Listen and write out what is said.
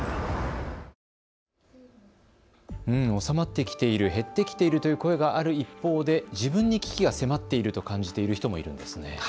収まってきている、減ってきているという声がある一方で自分に危機が迫っていると感じている人もいるんですね。